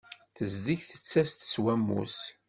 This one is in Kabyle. Tezdeg tettas-d s wammus.